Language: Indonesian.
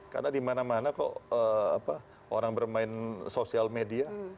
karena di mana mana kok orang bermain sosial media